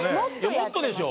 もっとでしょ。